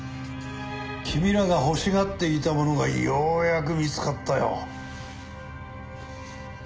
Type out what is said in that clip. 君らが欲しがっていたものがようやく見つかったよ。